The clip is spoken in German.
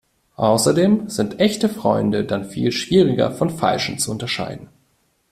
Außerdem sind echte Freunde dann viel schwieriger von falschen zu unterscheiden.